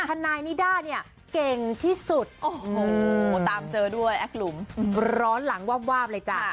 ทนายนิด้าเนี่ยเก่งที่สุดโอ้โหตามเจอด้วยแอคหลุมร้อนหลังวาบเลยจ้ะ